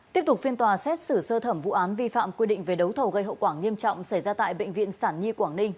tiếp tục phiên tòa xét xử sơ thẩm vụ án vi phạm quy định về đấu thầu gây hậu quả nghiêm trọng xảy ra tại bệnh viện sản nhi quảng ninh